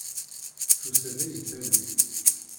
Tusa-d ad yi-tawi.